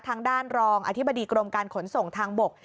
ทางด้านรองอธิบดีกรมการขนส่งทางบก